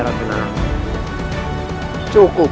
pusaka keris mata dua